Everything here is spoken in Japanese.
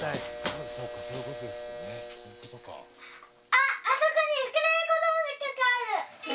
「あっあそこにウクレレこどもじゅくがある」。